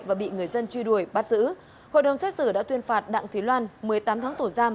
và bị người dân truy đuổi bắt giữ hội đồng xét xử đã tuyên phạt đặng thị loan một mươi tám tháng tù giam